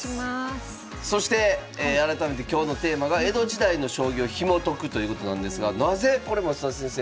そして改めて今日のテーマが江戸時代の将棋をひも解くということなんですがなぜこれ増田先生